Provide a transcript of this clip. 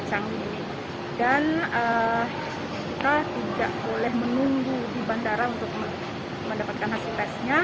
canggih dan kita tidak boleh menunggu di bandara untuk mendapatkan hasil tesnya